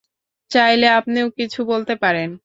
চাইলে আপনিও কিছু বলতে পারেন।